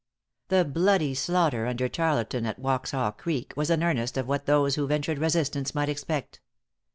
The bloody slaughter under Tarleton at Waxhaw Creek, was an earnest of what those who ventured resistance might expect.